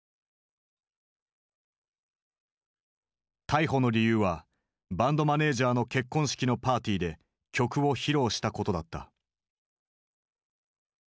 逮捕の理由はバンドマネージャーの結婚式のパーティーで曲を披露したことだった。